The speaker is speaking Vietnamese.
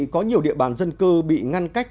có nhiều địa bàn dân cư bị ngăn cách